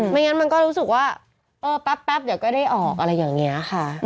งั้นมันก็รู้สึกว่าเออแป๊บเดี๋ยวก็ได้ออกอะไรอย่างนี้ค่ะ